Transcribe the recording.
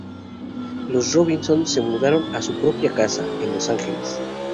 Los Robinson se mudaron a su propia casa en Los Ángeles.